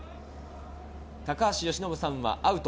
由伸さんはアウト。